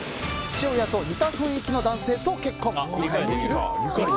父親と似た雰囲気の男性と結婚理解できる？